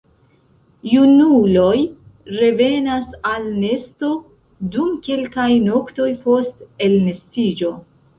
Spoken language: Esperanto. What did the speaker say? Junuloj revenas al nesto dum kelkaj noktoj post elnestiĝo.